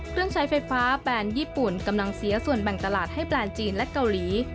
เครื่องใช้ไฟฟ้าแบรนด์ญี่ปุ่นกำลังเสียส่วนแบ่งตลาดให้แบรนด์จีนและเกาหลี